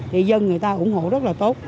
thì dân người ta ủng hộ rất là tốt